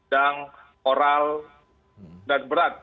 yang oral dan berat